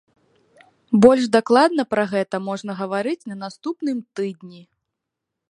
Больш дакладна пра гэта можна гаварыць на наступным тыдні.